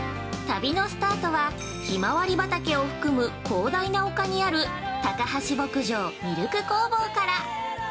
◆旅のスタートは、ひまわり畑を含む広大な丘にある「高橋牧場ミルク工房」から。